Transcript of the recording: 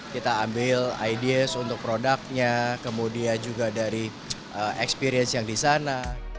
kita ambil ideas untuk produknya kemudian juga dari experience yang di sana